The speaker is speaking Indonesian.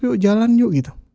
yuk jalan yuk gitu